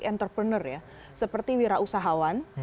entrepreneur ya seperti wira usahawan